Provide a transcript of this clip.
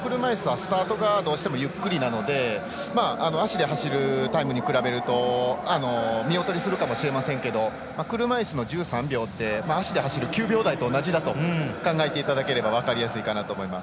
車いすはスタートがどうしてもゆっくりなので足で走るタイムに比べると見劣りするかもしれませんが車いすの１３秒って足で走る９秒台と同じだと考えていただければ分かりやすいかなと思います。